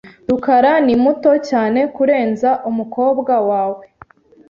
rukara ni muto cyane. kurenza umukobwa wawe .